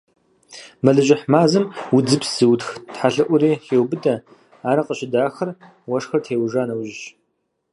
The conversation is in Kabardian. Мэлыжьыхь мазэм удзыпс зэутх тхьэлъэӀури хеубыдэ, ар къыщыдахыр уэшхыр теужа нэужьщ.